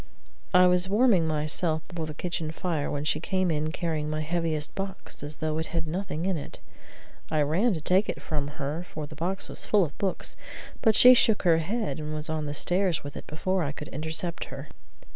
I was warming myself before the kitchen fire when she came in carrying my heaviest box as though it had nothing in it. I ran to take it from her, for the box was full of books, but she shook her head, and was on the stairs with it before I could intercept her.